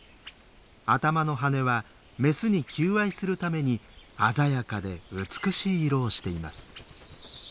頭の羽根はメスに求愛するために鮮やかで美しい色をしています。